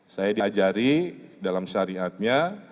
saya diajari dalam syariatnya